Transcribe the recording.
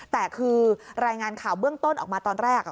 แต่คือรายงานข่าวเบื้องต้นออกมาตอนแรก